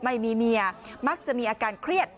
ไม่มีเมียมักจะมีอาการเครียด